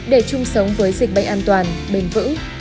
để chung sống với dịch bệnh an toàn bền vững